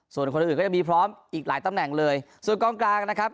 ส่วนคนอื่นอื่นก็ยังมีพร้อมอีกหลายตำแหน่งเลยส่วนกองกลางนะครับ